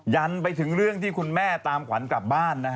ยันไปถึงเรื่องที่คุณแม่ตามขวัญกลับบ้าน